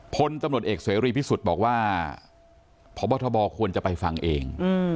พลตำรวจเอกเสรีพิสุทธิ์บอกว่าพบทบควรจะไปฟังเอง